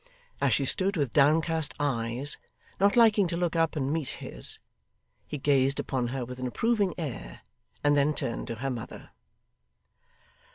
As she stood with downcast eyes, not liking to look up and meet his, he gazed upon her with an approving air, and then turned to her mother.